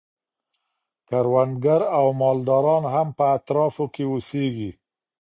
کروندګر او مالداران هم په اطرافو کي اوسیږي.